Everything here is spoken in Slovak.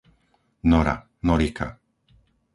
Nora, Norika